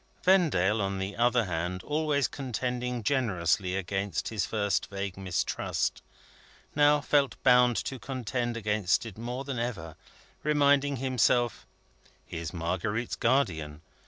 Vendale, on the other hand, always contending generously against his first vague mistrust, now felt bound to contend against it more than ever: reminding himself, "He is Marguerite's guardian.